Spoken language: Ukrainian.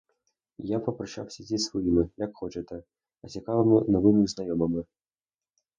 І я попрощався зі своїми, як хочете, а цікавими новими знайомими.